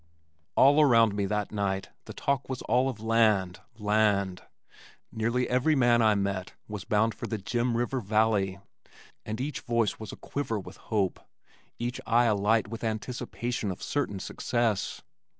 All around me that night the talk was all of land, land! Nearly every man I met was bound for the "Jim River valley," and each voice was aquiver with hope, each eye alight with anticipation of certain success.